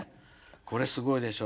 これすごいでしょ。